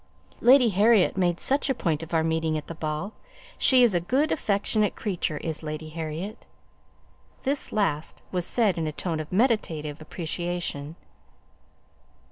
Lady Harriet made such a point of our meeting at the ball; she is such a good, affectionate creature, is Lady Harriet!" This last was said in a tone of meditative appreciation.